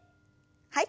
はい。